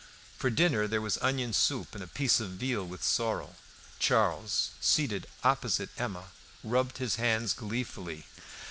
For dinner there was onion soup and a piece of veal with sorrel. Charles, seated opposite Emma, rubbed his hands gleefully.